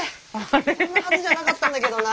こんなはずじゃなかったんだけどな。